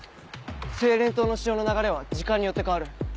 聖恋島の潮の流れは時間によって変わる。